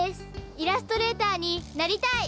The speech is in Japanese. イラストレーターになりたい！